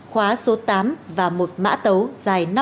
một khóa số tám và một mã tấu dài năm mươi cm